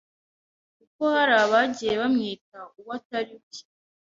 kuko hari abagiye bamwita uwo atari we.